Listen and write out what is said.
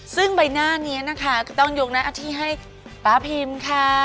ซึ่งใบหน้านี้นะคะก็ต้องยกหน้าที่ให้ป๊าพิมค่ะ